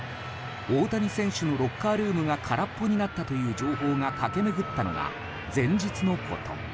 大谷選手のロッカールームが空っぽになったという情報が駆け巡ったのが、前日のこと。